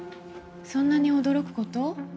そんなに驚くこと？